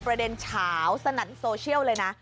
ประเด็นเฉาสนันโซเชียลเลยนะ